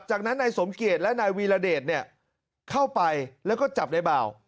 จากนั้นนายสมเกียจและนายวีรเดชเนี่ยเข้าไปแล้วก็จับในบ่าว